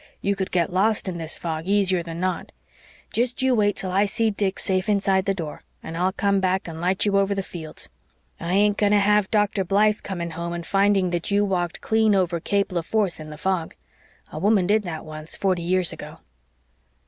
You could get lost in this fog easier than not. Jest you wait till I see Dick safe inside the door and I'll come back and light you over the fields. I ain't going to have Dr. Blythe coming home and finding that you walked clean over Cape Leforce in the fog. A woman did that once, forty years ago.